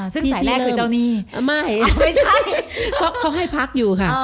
ซึ่งสายแรกคือเจ้าหนี้ไม่ไม่ใช่เพราะเขาให้พักอยู่ค่ะ